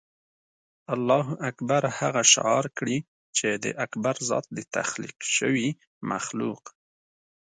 الله اکبر هغه شعار کړي چې د اکبر ذات د تخلیق شوي مخلوق.